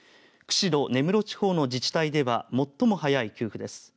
釧路、根室地方の自治体では最も早い給付です。